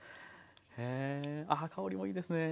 ああ香りもいいですね。